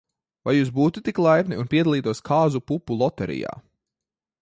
Vai jūs būtu tik laipni, un piedalītos kāzu pupu loterijā?